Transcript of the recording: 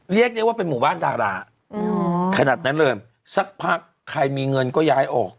เรียกได้ว่าเป็นหมู่บ้านดาราขนาดนั้นเลยสักพักใครมีเงินก็ย้ายออก